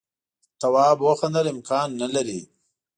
تواب وخندل امکان نه لري.